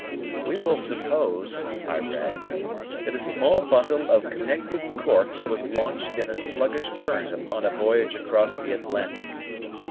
"We will suppose," I read, "that a small bundle of connected corks was launched in a sluggish current upon a voyage across the Atlantic.